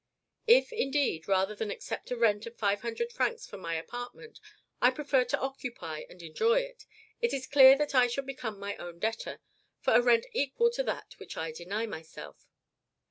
If, indeed, rather than accept a rent of five hundred francs for my apartment, I prefer to occupy and enjoy it, it is clear that I shall become my own debtor for a rent equal to that which I deny myself.